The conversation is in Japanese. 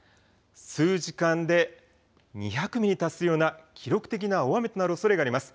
数時間で２００ミリに達するような記録的な大雨となるおそれがあります。